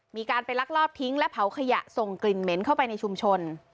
มีการไปลักลอบทิ้งและเผาขยะส่งกลิ่นเหม็นเข้าไปในชุมชน